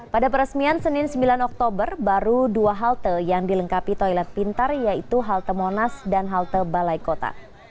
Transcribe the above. pada peresmian senin sembilan oktober baru dua halte yang dilengkapi toilet pintar yaitu halte monas dan halte balai kota